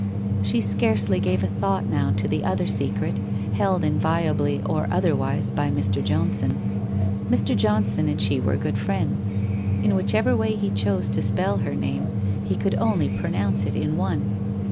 She scarcely gave a thought now to the other secret, held inviolably or otherwise by Mr. Johnson. Mr. John son and she were good friends. In whichever way he chose to spell her name, he could only pronounce it in one.